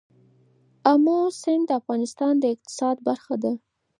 آمو سیند د افغانستان د اقتصاد برخه ده.